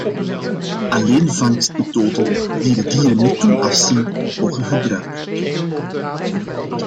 Alleen vangstmethoden die de dieren niet doen afzien, mogen gebruikt worden.